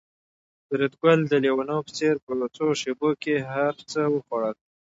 فریدګل د لېونو په څېر په څو شېبو کې هرڅه وخوړل